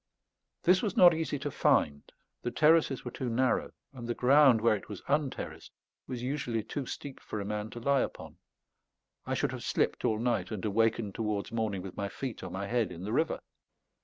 This was not easy to find; the terraces were too narrow, and the ground, where it was unterraced, was usually too steep for a man to lie upon. I should have slipped all night, and awakened towards morning with my feet or my head in the river.